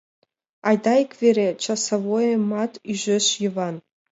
Айда ик вере, — часовойымат ӱжеш Йыван.